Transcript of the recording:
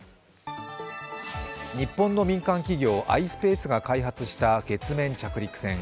日本の民間企業、ｉｓｐａｃｅが開発した月面着陸船。